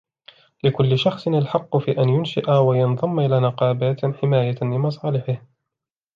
لكل شخص الحق في أن ينشئ وينضم إلى نقابات حماية لمصالحه.